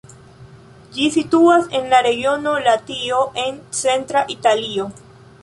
Ĝi situas en la regiono Latio en centra Italio.